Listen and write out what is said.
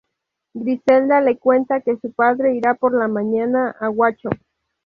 Griselda le cuenta que su padre irá por la mañana a Huacho.